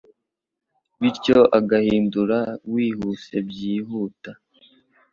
bityo ugahindura wihuse byihuta